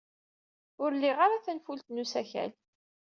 Ur liɣ ara tanfult n usakal.